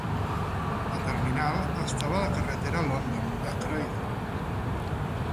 La terminal estava a la carretera London, a Croydon.